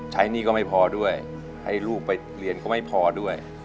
หนี้ก็ไม่พอด้วยให้ลูกไปเรียนก็ไม่พอด้วย